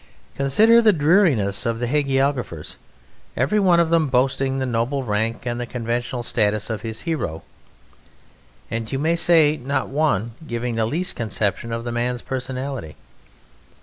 Consider the dreariness of the hagiographers, every one of them boasting the noble rank and the conventional status of his hero, and you may say not one giving the least conception of the man's personality.